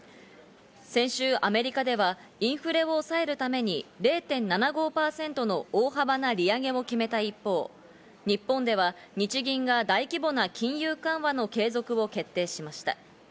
先週、アメリカではインフレを抑えるために０．７５％の大幅な利上げを決めた一方、日本では日銀が大規模な金融緩和の継続を決定しました。